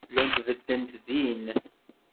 Llant beddent din.